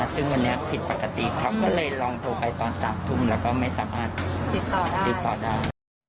ซึ่งวันนี้ผิดปกติเขาก็เลยลองโทรไปตอน๓ทุ่มแล้วก็ไม่สามารถติดต่อได้ติดต่อได้